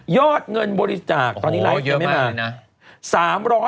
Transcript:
อดเงินบริจาคตอนนี้ไลฟ์เยอะไม่มานะ